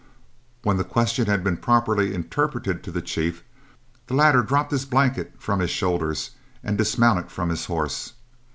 When the question had been properly interpreted to the chief, the latter dropped his blanket from his shoulders and dismounted from his horse.